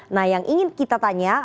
nah yang ingin kita tanya